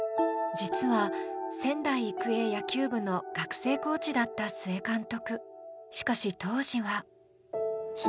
実は仙台育英高校野球部の学生コーチだった須江監督。